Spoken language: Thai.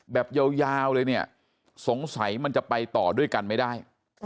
แบบยาวเลยเนี่ยสงสัยมันจะไปต่อด้วยกันไม่ได้